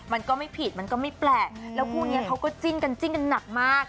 มันก็ไม่ผิดมันก็ไม่แปลกแล้วคู่นี้เขาก็จิ้นกันจิ้นกันหนักมาก